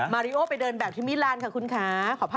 ริโอไปเดินแบบที่มิลานค่ะคุณค่ะ